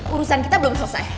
urusan kita belum selesai